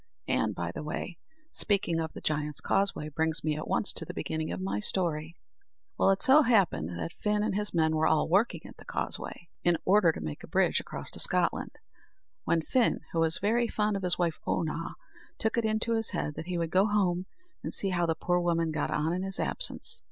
And, by the way, speaking of the Giant's Causeway brings me at once to the beginning of my story. Well, it so happened that Fin and his men were all working at the Causeway, in order to make a bridge across to Scotland; when Fin, who was very fond of his wife Oonagh, took it into his head that he would go home and see how the poor woman got on in his absence.